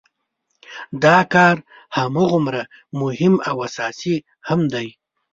دا کار هماغومره مهم او اساسي هم دی.